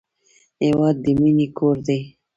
هېواد د مینې کور دی.